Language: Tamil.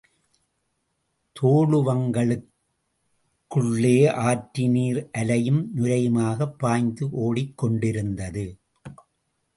தோழுவங்களுக்குள்ளே ஆற்று நீர் அலையும் நுரையமாகப் பாய்ந்து ஓடிக் கொண்டிருந்தது!